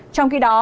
trong khi đó